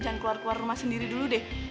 jangan keluar keluar rumah sendiri dulu deh